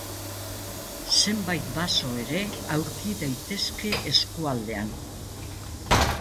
Zenbait baso ere aurki daitezke eskualdean.